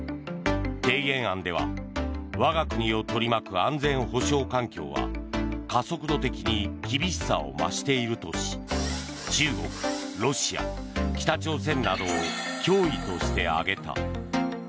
提言案では我が国を取り巻く安全保障環境は加速度的に厳しさを増しているとし中国、ロシア、北朝鮮などを脅威として挙げた。